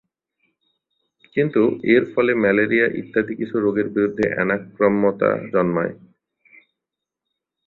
কিন্তু এর ফলে ম্যালেরিয়া ইত্যাদি কিছু রোগের বিরুদ্ধে অনাক্রম্যতা জন্মায়।